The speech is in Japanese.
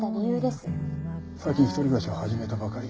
最近一人暮らしを始めたばかり。